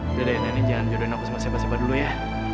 udah deh nenek jangan jodohin aku sama seba seba dulu ya